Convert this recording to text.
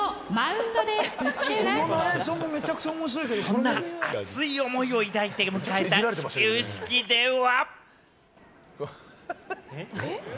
そんな熱い思いを抱いて迎えた始球式では。